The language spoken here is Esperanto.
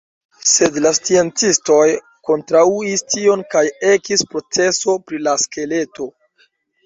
Sed la sciencistoj kontraŭis tion kaj ekis proceso pri la skeleto.